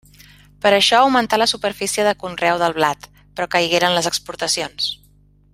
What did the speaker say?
Per això augmentà la superfície de conreu del blat, però caigueren les exportacions.